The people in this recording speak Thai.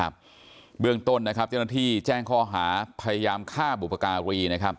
เบื้องต้นนะครับเจ้าหน้าที่แจ้งข้อหาพยายามฆ่าบุพการี